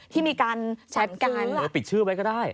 ที่มีการแชทกันหรือปิดชื่อไว้ก็ได้